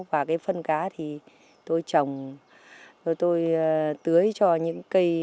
và cái phân cá thì tôi trồng tôi tưới cho những cây